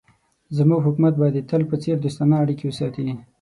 زموږ حکومت به د تل په څېر دوستانه اړیکې وساتي.